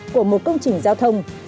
của một công trình giao thông